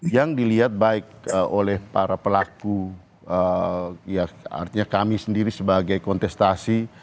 yang dilihat baik oleh para pelaku ya artinya kami sendiri sebagai kontestasi